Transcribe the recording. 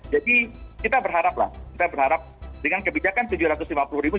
jadi kita berharap dengan kebijakan tujuh ratus lima puluh ribu